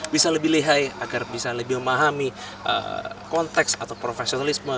bisa lebih lihai agar bisa lebih memahami konteks atau profesionalisme